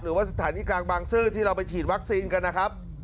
หรือว่าสถานีกลางบางซื่อที่เราไปฉีดวัคซีนกันนะครับ